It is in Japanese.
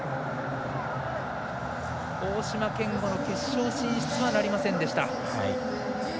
大島健吾の決勝進出はなりませんでした。